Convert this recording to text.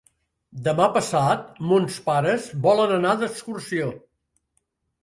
Demà passat mons pares volen anar d'excursió.